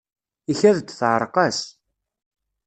Ikad-d teεreq-as.